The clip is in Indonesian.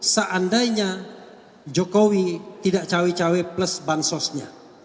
seandainya jokowi tidak cawe cawe plus bansosnya